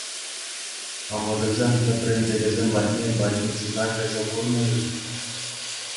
Амӑшӗсем тӗпренчӗкӗсем патне больницӑна кайса курнӑ-ши?